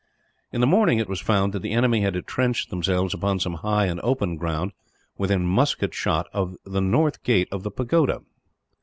In the morning it was found that the enemy had entrenched themselves upon some high and open ground, within musket shot of the north gate of the pagoda.